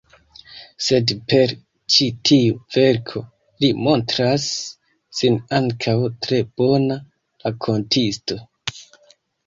Sed per ĉi tiu verko, li montras sin ankaŭ tre bona rakontisto.